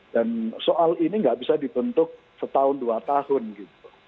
dan soal ini tidak bisa dibentuk setahun dua tahun gitu